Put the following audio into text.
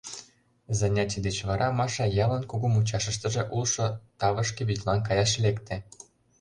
Занятий деч вара Маша ялын кугу мучашыштыже улшо тавышке вӱдлан каяш лекте.